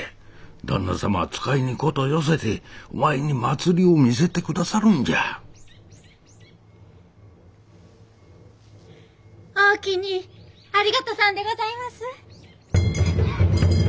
旦那様は使いに事寄せてお前に祭りを見せてくださるんじゃおおきにありがとさんでございます。